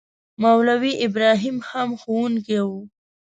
مولوي ابراهیم هم ښوونکی وو.